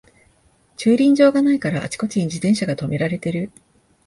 駐輪場がないからあちこちに自転車がとめられてる